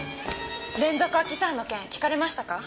連続空き巣犯の件聞かれましたか？